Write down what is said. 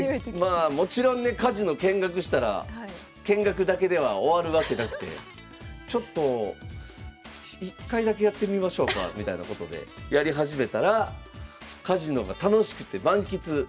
まあもちろんねカジノ見学したら見学だけでは終わるわけなくてちょっと１回だけやってみましょうかみたいなことでやり始めたらカジノが楽しくて満喫。